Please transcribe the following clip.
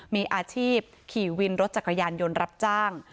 มีอาชีพขี่วินรถจักรยานยนต์รับจ้าง